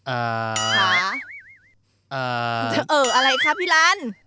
อ่าอ่าเอออะไรคะพี่ร้าน